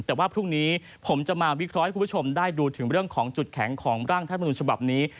แต่ว่าพรุ่งนี้ผมจะมาวิเคราะห์ให้คุณผู้ชมได้ดูถึงเรื่องของจุดแข็งของร่างรัฐมนุนฉบับนี้